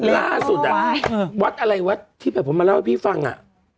ล่าสุดอ่ะวัดอะไรวัดที่แบบผมมาเล่าให้พี่ฟังอ่ะ